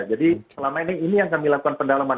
jadi selama ini ini yang kami lakukan pendalaman